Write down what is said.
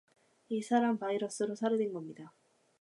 이 사람 바이러스로 살해된 겁니다